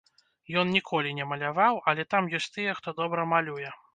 Ён ніколі не маляваў, але там ёсць тыя, хто добра малюе.